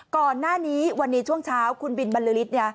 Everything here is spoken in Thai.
ก่อนหน้านี้วันนี้ช่วงเช้าคุณบินบรรลือฤทธิ์